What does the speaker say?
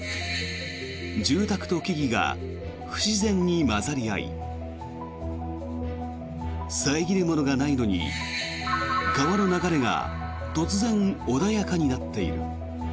住宅と木々が不自然に交ざり合い遮るものがないのに、川の流れが突然穏やかになっている。